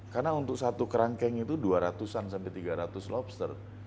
karena untuk satu kerangkeng itu dua ratus tiga ratus lobster